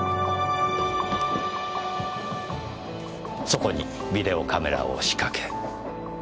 そこにビデオカメラを仕掛け。